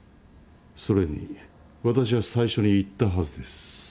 それに私は最初に言ったはずです。